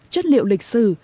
chất liệu lịch sử